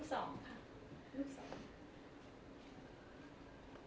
สวัสดีครับ